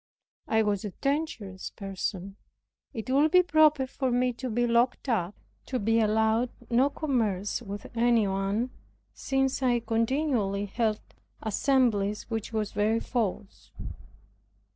I was a dangerous person, it would be proper for me to be locked up, to be allowed no commerce with any one; since I continually held assemblies, which was very false.